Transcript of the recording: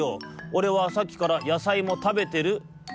おれはさっきからやさいもたべてるつもり」。